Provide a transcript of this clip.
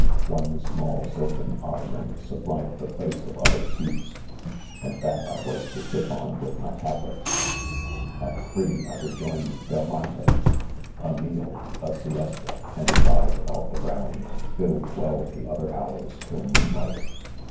One small silken otto man supplied the place of other seats, and thz,t I was to sit on with my tablets. At three I rejoined del Monte. A meal, a siesta, and a ride about the grounds, filled well the other hours till moonlight.